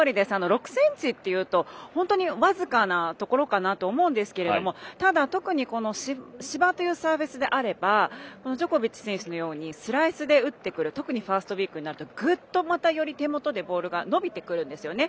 ６ｃｍっていうと本当に僅かなところかなと思うんですけどもただ、特に芝というサーフェスであればジョコビッチ選手のようにスライスで打ってくる特にファーストウイークはぐっと、より手元でボールが伸びてくるんですよね。